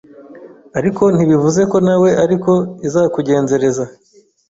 ariko ntibivuze ko nawe ariko izakugenzereza,